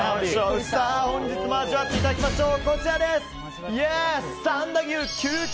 本日も味わっていただきましょう！